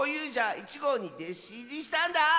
１ごうにでしいりしたんだ！